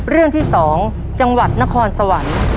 เรื่องที่๒จังหวัดนครสวรรค์